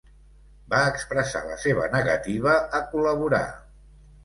Va expressar la seva negativa a col·laborar.